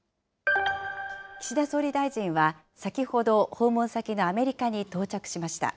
岸田総理大臣は、先ほど訪問先のアメリカに到着しました。